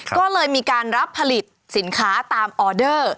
ก็เลยมีการรับผลิตสินค้าตามออเดอร์